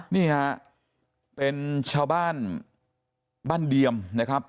นี่ฮะเป็นชาวบ้านบ้านเดียมนะครับ